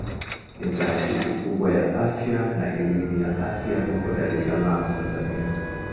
Ni taasisi kubwa ya afya na elimu ya afya huko Dar es Salaam Tanzania.